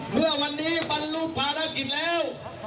เมื่อวันนี้บรรลุภารกิจแล้ว